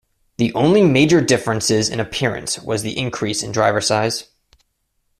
The only major difference in appearance was the increase in driver size.